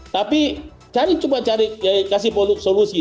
tapi cari coba cari kasih solusi